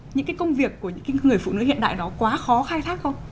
những cái công việc của những người phụ nữ hiện đại đó quá khó khai thác không